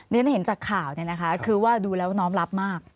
ฉันเห็นจากข่าวเนี่ยนะคะคือว่าดูแล้วน้อมรับมาก